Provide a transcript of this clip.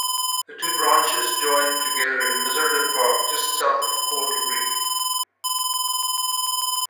The two branches join together in Miserden Park just south of Caudle Green.